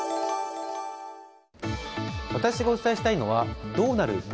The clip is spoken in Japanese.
私がお伝えしたいのはどうなる？